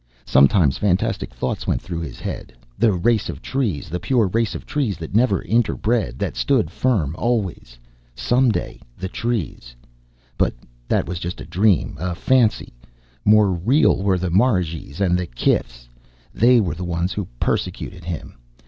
Sometimes, fantastic thoughts went through his head. The race of trees, the pure race of trees that never interbred, that stood firm always. Someday the trees But that was just a dream, a fancy. More real were the marigees and the kifs. They were the ones who persecuted him.